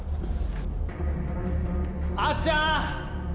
あっちゃん！